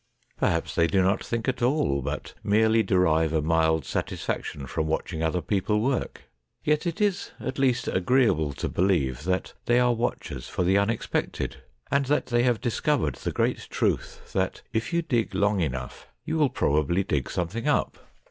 Perhaps they do not think at all, but merely derive a mild satisfaction from watching other people work. Yet it is at least agreeable to believe that they are watchers for the unexpected, that they have discovered the great truth that if you dig long enough you will probably dig some thing up.